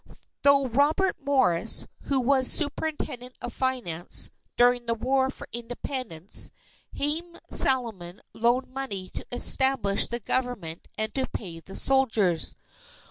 Through Robert Morris, who was Superintendent of Finance, during the War for Independence, Haym Salomon loaned money to establish the Government and to pay the soldiers.